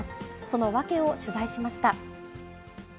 その訳を取材しました。